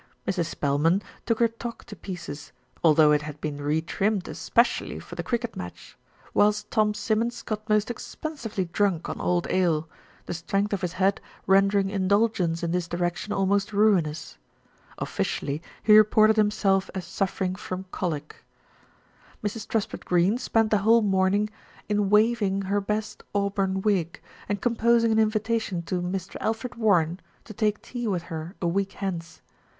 Mrs. Spelman took her toque to pieces, although it had been re trimmed specially for the cricket match, whilst Tom Simmons got most expensively drunk on old ale, the strength of his head rendering indulgence in this direction almost ruinous. Officially he reported himself as suffering from colic. Mrs. Truspitt Greene spent the whole morning in 220 THE RETURN OF ALFRED "waving" her best auburn wig, and composing an in vitation to "Mr. Alfred Warren" to take tea with her a week hence.